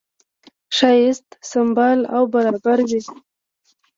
ښایست سمبال او برابر وي.